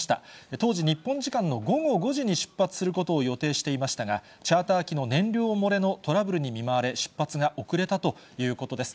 当時、日本時間の午後５時に出発することを予定していましたが、チャーター機の燃料漏れのトラブルに見舞われ、出発が遅れたということです。